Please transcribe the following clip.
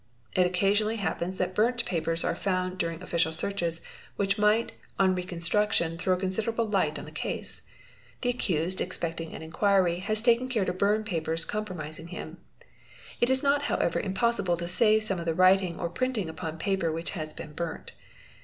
It occasionally happens that burnt papers are found during official searches which might, on reconstitution, throw considerable light on the case. The accused," expecting an inquiry, has taken care to burn papers compromising him. | It is not however impossible to save some of the writing or printing upon paper which has been burnt.